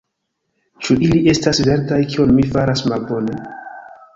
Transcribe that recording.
Ĉu ili estas verdaj? Kion mi faras malbone?